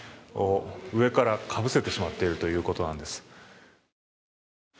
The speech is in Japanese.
上からかぶせてしまっているということなんです。